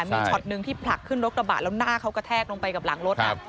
มีช็อตหนึ่งที่ผลักขึ้นรถกระบะแล้วหน้าเขากระแทกลงไปกับหลังรถ